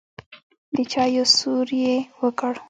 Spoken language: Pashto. د چايو سور يې وکړ.